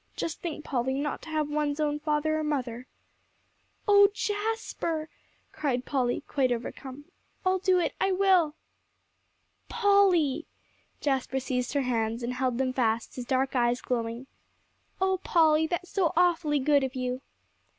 Just think, Polly, not to have one's own father or mother." "Oh Jasper!" cried Polly, quite overcome. "I'll do it, I will." "Polly!" Jasper seized her hands, and held them fast, his dark eyes glowing. "Oh Polly, that's so awfully good of you!"